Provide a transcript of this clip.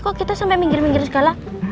kok kita sampai minggir minggir segala